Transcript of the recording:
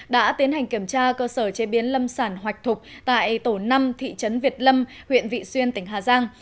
đã tiến hành kiểm tra cơ sở chế biến lâm sản hoạch thục tại tổ năm thị trấn việt lâm huyện vị xuyên tỉnh hà giang